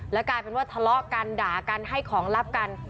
กลายเป็นว่าทะเลาะกันด่ากันให้ของลับกัน